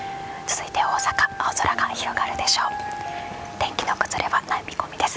天気の崩れはない見込みです。